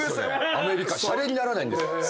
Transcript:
アメリカしゃれにならないんで。